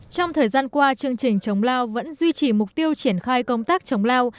trong thời gian qua chương trình chống lao vẫn duy trì mục tiêu triển khai công tác chống lao